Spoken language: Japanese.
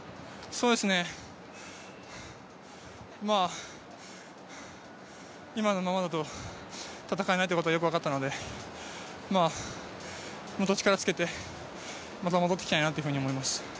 そうですね、今のままだと戦えないってことがよく分かったのでもっと力をつけて、また戻ってきたいなというふうに思います。